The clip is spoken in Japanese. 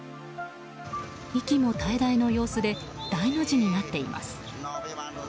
息も絶え絶えの様子で大の字になっています。